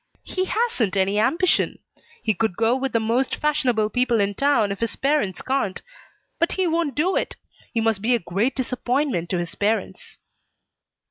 He hasn't any ambition. He could go with the most fashionable people in town, if his parents can't, but he won't do it. He must be a great disappointment to his parents."